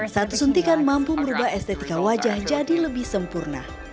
satu suntikan mampu merubah estetika wajah jadi lebih sempurna